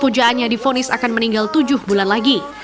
sehingga hanya divonis akan meninggal tujuh bulan lagi